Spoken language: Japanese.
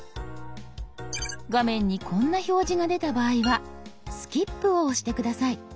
画面にこんな表示が出た場合は「スキップ」を押して下さい。